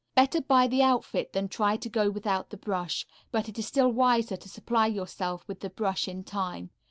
Better buy the outfit than try to go without the brush, but it is still wiser to supply yourself with the brush in time.